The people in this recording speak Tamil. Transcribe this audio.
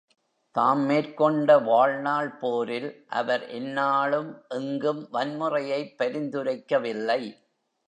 தாம் மேற்கொண்ட வாழ்நாள் போரில் அவர் எந்நாளும் எங்கும் வன்முறையைப் பரிந்துரைக்கவில்லை.